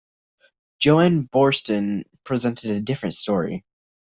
Joan Borsten presented a different story.